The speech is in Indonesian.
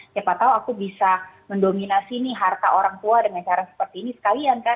siapa tahu aku bisa mendominasi nih harta orang tua dengan cara seperti ini sekalian kan